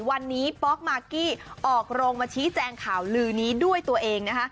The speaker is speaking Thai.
วันนี้ป๊อกมากกี้ออกโรงมาชี้แจงข่าวลือนี้ด้วยตัวเองนะคะ